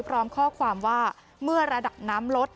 พร้อมข้อความว่าเมื่อระดับน้ำลด